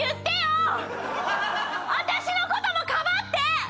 私の事もかばって！